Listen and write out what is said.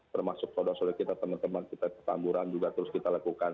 termasuk saudara saudari kita teman teman kita ketamburan juga terus kita lakukan